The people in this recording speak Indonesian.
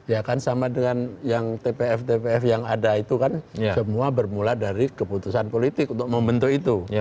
ya kan sama dengan yang tpf tpf yang ada itu kan semua bermula dari keputusan politik untuk membentuk itu